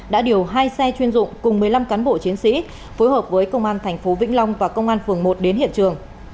đã điều hai xe chuyên dụng cùng một mươi năm cán bộ chiến sĩ phối hợp với công an tp vĩnh long và công an phường một đến hiện trường